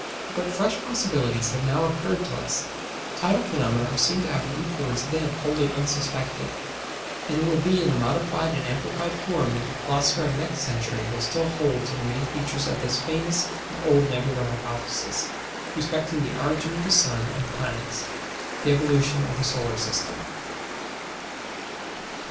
But fresh possibilities have now occurred to us, tidal phenomena are seen to have an influence then wholly unsuspected, and it will be in a modified and amplified form that the philosopher of next century will still hold to the main features of this famous old Nebular Hypothesis respecting the origin of the sun and planets the Evolution of the solar system.